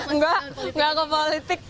enggak enggak ke politik